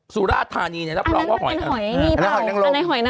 บุ๊กก่อนรับฐานีน่ะรับรองว่า